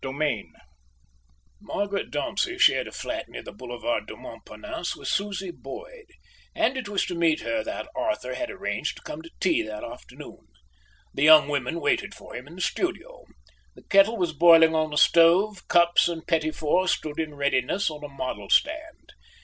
Chapter II Margaret Dauncey shared a flat near the Boulevard du Montparnasse with Susie Boyd; and it was to meet her that Arthur had arranged to come to tea that afternoon. The young women waited for him in the studio. The kettle was boiling on the stove; cups and petits fours stood in readiness on a model stand.